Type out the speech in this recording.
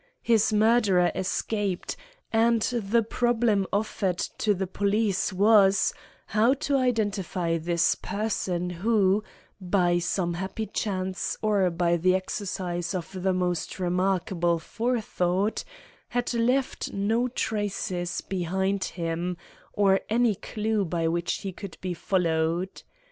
His murderer escaped, and the problem offered to the police was, how to identify this person who, by some happy chance or by the exercise of the most remarkable forethought, had left no traces behind him, or any clue by which he could be followed.